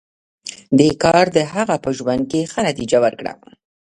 دې کار د هغه په ژوند کې ښه نتېجه ورکړه